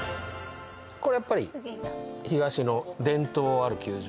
やっぱり東の伝統ある球場